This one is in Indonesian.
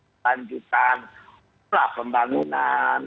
keberlanjutan pola pembangunan